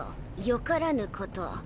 よからぬこと。